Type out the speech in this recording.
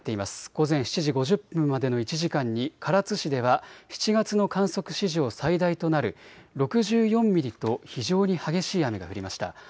午前７時５０分までの１時間に唐津市では７月の観測史上最大となる６４ミリと非常に激しい雨が降りました。